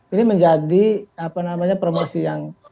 ini menjadi apa namanya promosi yang